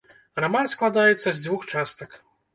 Раман складаецца з дзвюх частак.